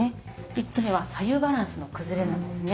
３つ目は左右バランスの崩れなんですね。